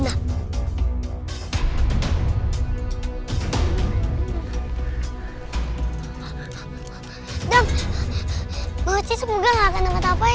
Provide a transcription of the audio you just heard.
dan berhenti semoga tidak akan terjadi apa apa ya